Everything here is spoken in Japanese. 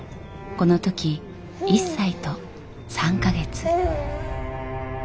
この時１歳と３か月。